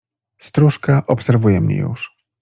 Stróżka obserwuje mnie już.